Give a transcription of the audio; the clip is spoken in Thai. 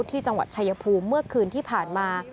ที่จังหวัดชายภูมิเมื่อคืนที่ผ่านมา